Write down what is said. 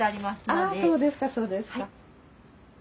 あそうですかそうですか。